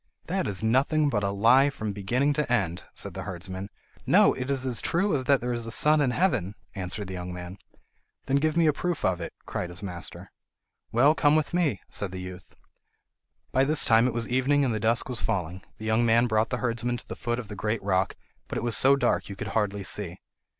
"That is nothing but a lie from beginning to end," said the herdsman. "No, it is as true as that there is a sun in heaven," answered the young man. "Then give me a proof of it," cried his master. "Well, come with me," said the youth. By this time it was evening and the dusk was falling. The young man brought the herdsman to the foot of the great rock, but it was so dark you could hardly see.